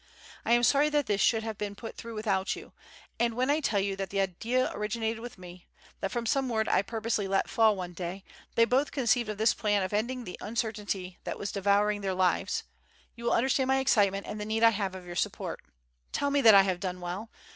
I am sorry that this should have been put through without you; and when I tell you that the idea originated with me that from some word I purposely let fall one day, they both conceived this plan of ending the uncertainty that was devouring their lives, you will understand my excitement and the need I have of your support. Tell me that I have done well.